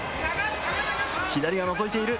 左がのぞいている。